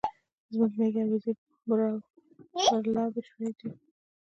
زموږ ميږي او وزې برالبې شوې دي